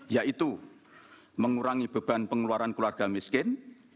yaitu mengurangi beban pengeluaran keluarga miskin